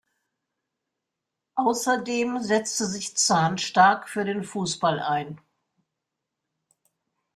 Außerdem setzte sich Zahn stark für den Fußball ein.